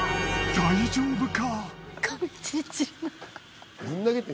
大丈夫か？